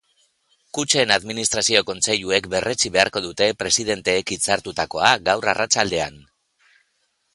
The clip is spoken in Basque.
Kutxen administrazio kontseiluek berretsi beharko dute presidenteek hitzartutakoa, gaur arratsaldean.